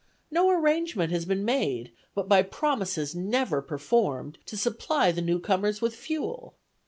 No arrangement has been made, but by promises never performed, to supply the new comers with fuel.